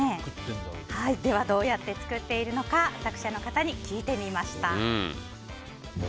ではどうやって作っているのか作者の方に聞いてみました。